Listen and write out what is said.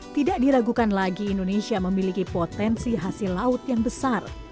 tidak diragukan lagi indonesia memiliki potensi hasil laut yang besar